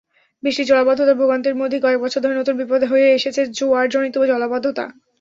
বৃষ্টির জলাবদ্ধতার ভোগান্তির মধ্যেই কয়েক বছর ধরে নতুন বিপদ হয়ে এসেছে জোয়ারজনিত জলাবদ্ধতা।